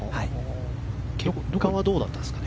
結果はどうだったんですかね。